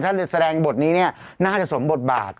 ถ้าแสดงบทนี้เนี่ยน่าจะสมบทบาท